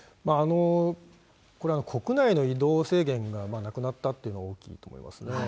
これは国内の移動制限がなくなったというのが大きいと思いますね。